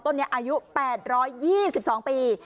ต้นนี้อายุ๘๒๒ปี